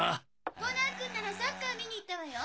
コナン君ならサッカー観に行ったわよ。